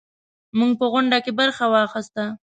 موږ په غونډه کې برخه واخیسته.